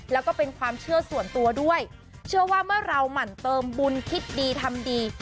แล้วก็เป็นความเชื่อส่วนตัวด้วยเชื่อว่าเมื่อเราหมั่นเติมบุญคิดดีทำดี